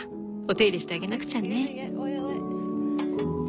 お手入れしてあげなくちゃね。